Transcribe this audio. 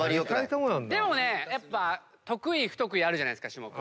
でもねやっぱ得意不得意あるじゃないですか種目。